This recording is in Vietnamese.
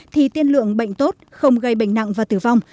thì tiên lượng bệnh tốt không gây bệnh nặng và tử vong